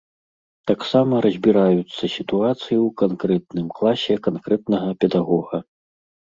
Таксама разбіраюцца сітуацыі ў канкрэтным класе канкрэтнага педагога.